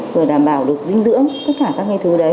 vừa đảm bảo được dinh dưỡng tất cả các thứ đấy